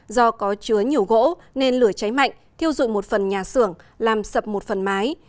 do có chứa nhiều gỗ nên lửa cháy mạnh thiêu dụi một phần nhà xưởng làm sập một phần mái